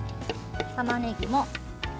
たまねぎ。